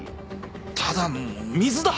ただの水だ！